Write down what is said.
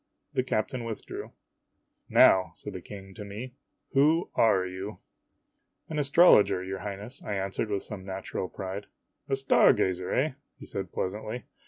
The captain withdrew. " Now," said the King to me, " who are you ?"" An astrologer, your Highness," I answered with some natural pride. "A star gazer, eh?" he said pleasantly.